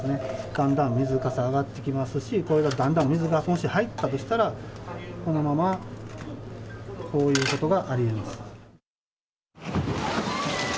だんだん水かさが上がってきますし、これがだんだん、もし水が入ったとしたら、このままこういうことがありえます。